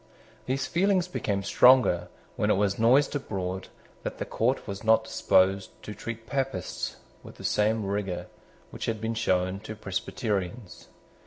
These feelings became stronger when it was noised abroad that the court was not disposed to treat Papists with the same rigour which had been shown to Presbyterians.